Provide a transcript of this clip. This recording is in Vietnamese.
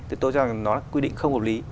thì tôi cho rằng nó là quy định không hợp lý